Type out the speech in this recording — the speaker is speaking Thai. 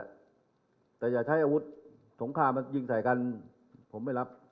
คุณก็ไม่หยุดให้เราอยากใช้อาวุธสงครามยิงใช้กันผมไม่รับ